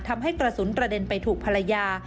ทำให้กระสุนกระเด็นไปถูกภรรยา